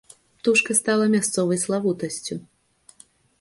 Птушка стала мясцовай славутасцю.